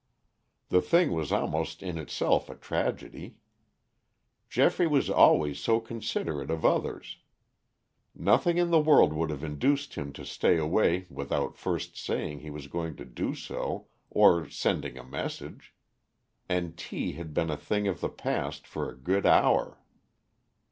The thing was almost in itself a tragedy. Geoffrey was always so considerate of others. Nothing in the world would have induced him to stay away without first saying he was going to do so or sending a message. And tea had been a thing of the past for a good hour.